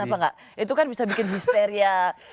kenapa gak itu kan bisa bikin histeria